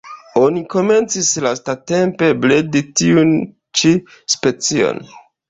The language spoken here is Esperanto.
Oni komencis lastatempe bredi tiun ĉi specion.